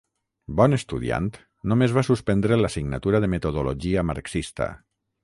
Bon estudiant, només va suspendre l'assignatura de Metodologia marxista.